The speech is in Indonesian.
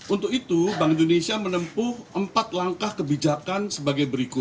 untuk itu bank indonesia menempuh empat langkah kebijakan sebagai berikut